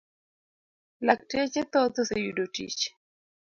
lakteche thoth oseyudo tich.